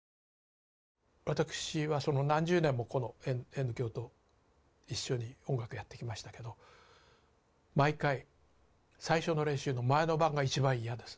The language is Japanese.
私は何十年もこのＮ響と一緒に音楽やってきましたけど毎回最初の練習の前の晩が一番嫌ですね。